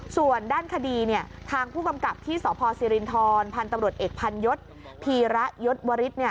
ส่วนด้านคดีทางผู้กำกับที่สศพศิรินทรพตเอกพันยศพีระยศวริษฐ์